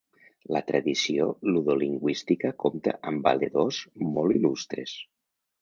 La tradició ludo lingüística compta amb valedors molt il·lustres.